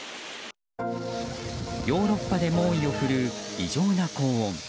ヨーロッパで猛威を振るう異常な高温。